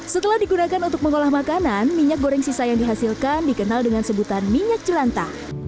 setelah digunakan untuk mengolah makanan minyak goreng sisa yang dihasilkan dikenal dengan sebutan minyak jelantah